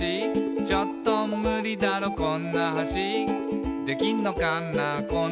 「ちょっとムリだろこんな橋」「できんのかなこんな橋」